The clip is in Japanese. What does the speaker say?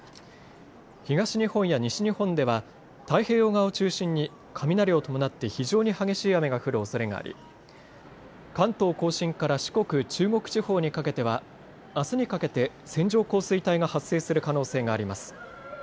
東日本や西日本では太平洋側を中心に雷を伴って非常に激しい雨が降るおそれがあり関東甲信から四国、中国地方にかけてはあすにかけて線状降水帯が発生する可能性があります。